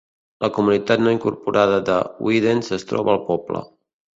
La comunitat no incorporada de Weedens es troba al poble.